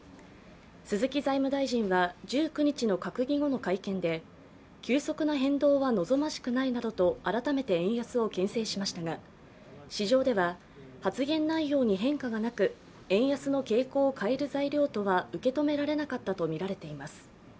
鈴木財務大臣は、１９日の閣議後の会見で急速な変動は望ましくないなどと改めて円安をけん制しましたが市場では発言内容に変化がなく、円安の傾向を変える材料とは受け止められなかったとみられています。